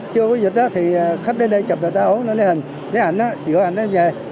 chưa có dịch thì khách đến đây chụp là ta hỗn hợp lấy hình lấy ảnh chụp ảnh lấy về